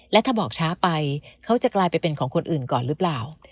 และถ้าบอกช้าไปเขาจะกลายไปเป็นของคนอื่นก่อนหรือเปล่า